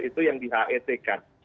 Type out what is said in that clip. itu yang di het kan